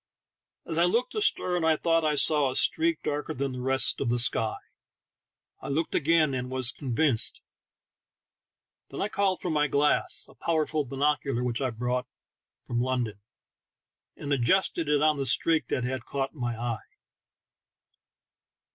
As I looked astern I thought I saw a streak darker than the rest of the sky. I looked again, and was con THE TALKING HANDKERCHIEF. 31 vinced ; then I called for my glass — a power fnl binocular which I bought in London — and adjusted it on the streak that had caught my eye.